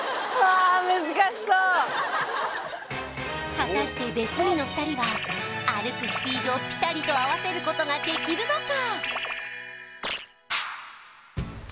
果たして別日の２人は歩くスピードをピタリと合わせることができるのか？